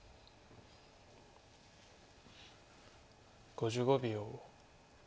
５５秒。